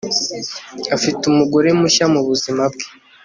Afite umugore mushya mubuzima bwe